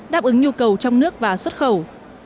đáp ứng nhu cầu trong nước và xuất khẩu